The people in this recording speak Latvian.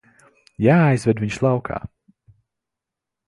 Jāizved viņš laukā.